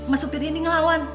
mas supir ini ngelawan